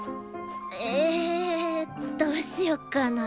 えどうしよっかな。